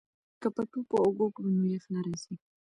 که پټو په اوږه کړو نو یخ نه راځي.